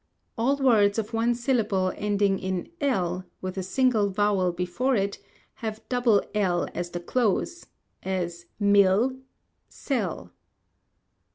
All words of one syllable ending in l, with a single vowel before it, have double l at the close; as, mill, sell.